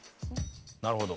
なるほど。